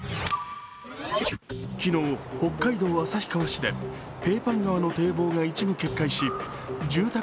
昨日、北海道旭川市でペーパン川の堤防が一部決壊し住宅